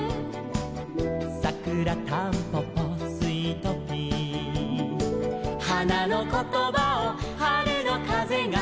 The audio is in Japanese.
「さくらたんぽぽスイトピー」「花のことばを春のかぜが」